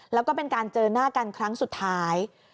แล้วก็เป็นการเจอหน้ากันครั้งสุดท้าย